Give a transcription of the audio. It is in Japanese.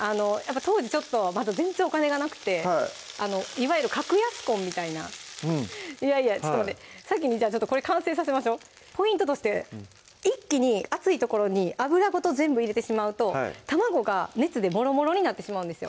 当時ちょっとまだ全然お金がなくていわゆる格安婚みたいないやいやちょっと待って先にじゃこれ完成させましょうポイントとして一気に熱いところに脂ごと全部入れてしまうと卵が熱でモロモロになってしまうんですよ